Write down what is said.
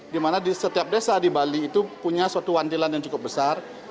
di mana setiap desa di bali itu punya suatu wadilan yang cukup besar